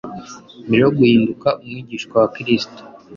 Mbere yo guhinduka umwigishwa wa Kristo,